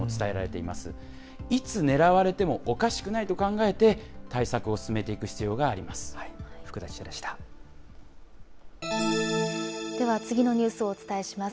いつ狙われてもおかしくないと考えて、対策を進めていく必要があります。